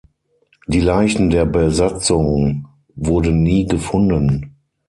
Die Leichen der Besatzung wurden nie gefunden.